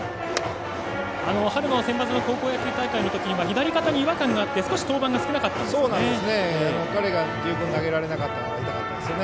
春のセンバツ高校野球大会のときには左肩に違和感があって、少し登板が少なかったんですよね。